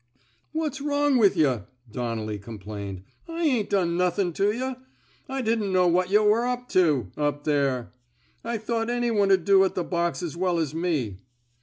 ''^* What's wrong with yuh? " Donnelly complained. I ain't done nothin' to yuh. I didn't know what yuh were up to — up there. I thought any one'd do at the box as well as me."